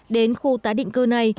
đến khu tái định cư này